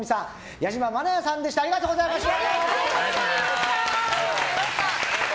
矢島愛弥さんでしたありがとうございました。